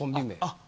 あっ。